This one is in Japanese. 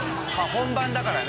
本番だからね。